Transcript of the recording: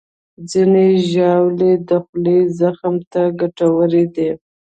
ځینې ژاولې د خولې زخم ته ګټورې دي.